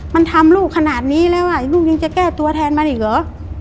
มันทำลูกขนาดนี้แล้วลูกยังจะแก้ตัวแทนมันอีกเหรอ